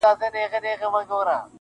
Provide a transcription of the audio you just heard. o کوم انسان چي بل انسان په کاڼو ولي,